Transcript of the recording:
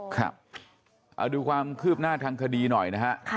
ครับดูความคืบหน้าทางคดีหน่อยนะครับ